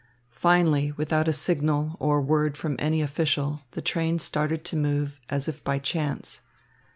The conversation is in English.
Finally, without a signal, or a word from any official, the train started to move, as if by chance.